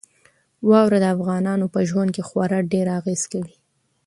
واوره د افغانانو په ژوند خورا ډېره اغېزه کوي.